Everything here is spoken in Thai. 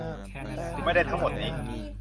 ไม่ได้ทั้งหมดนี้